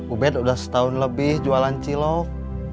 ubed sudah setahun lebih jualan cilok